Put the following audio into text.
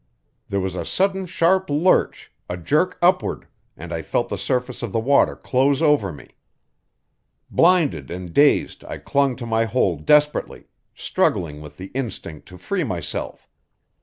There was a sudden sharp lurch, a jerk upward, and I felt the surface of the water close over me. Blinded and dazed, I clung to my hold desperately, struggling with the instinct to free myself.